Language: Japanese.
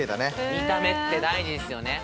見た目って大事ですよね。